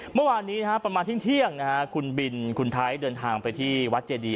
เมื่อวานนี้ประมาณเที่ยงคุณบินคุณไทยเดินทางไปที่วัดเจดี